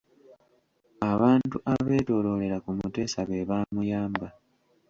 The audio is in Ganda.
Abantu abeetooloolera ku Muteesa be baamuyamba.